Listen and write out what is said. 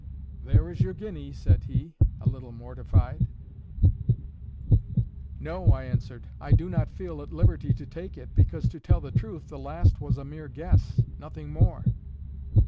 "There is your guinea," said he, a little mortified. "No," I answered. "I do not feel at liberty to take it, because, to tell the truth, the last was a mere guess, nothing more."